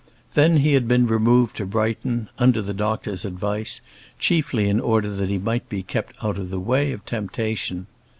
Then he had been removed to Brighton, under the doctor's advice, chiefly in order that he might be kept out of the way of temptation.